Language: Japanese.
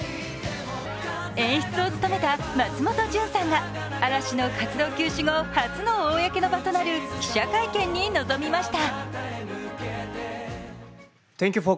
演出を務めた松本潤さんが嵐の活動休止後、初の公の場となる記者会見に臨みました。